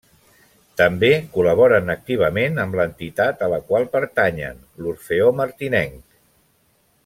També col·laboren activament amb l’entitat a la qual pertanyen, l'Orfeó Martinenc.